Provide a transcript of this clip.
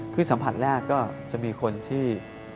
คือสัมผัสแรกก็จะมีคนที่